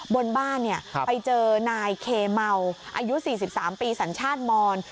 บนบ้านไปเจอนายเคเมาอายุ๔๓ปีสัญชาติมอน